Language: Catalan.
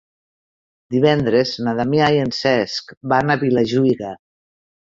Divendres na Damià i en Cesc van a Vilajuïga.